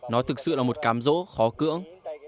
nó thực sự là một cám dỗ khó khăn